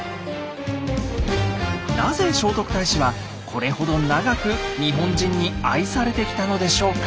なぜ聖徳太子はこれほど長く日本人に愛されてきたのでしょうか？